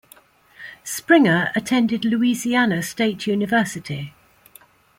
Springer attended Louisiana State University.